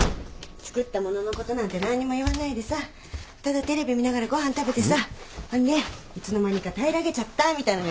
作ったもののことなんて何にも言わないでさただテレビ見ながらご飯食べてさほんでいつの間にか平らげちゃったみたいなのがいいから。